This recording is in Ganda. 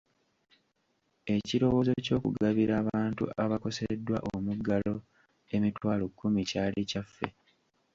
Ekirowoozo ky'okugabira abantu abakoseddwa omuggalo emitwalo kkumi kyali kyaffe.